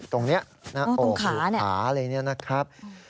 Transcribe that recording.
ตรงนี้โอ้โหผิวขาอะไรนี่นะครับตรงขา